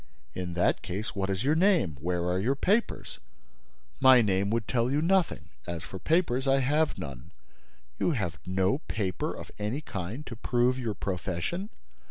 "In that case, what is your name? Where are your papers?" "My name would tell you nothing. As for papers, I have none." "You have no paper of any kind to prove your profession!"